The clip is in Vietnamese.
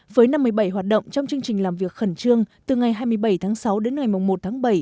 với năm mươi bảy hoạt động trong chương trình làm việc khẩn trương từ ngày hai mươi bảy tháng sáu đến ngày một tháng bảy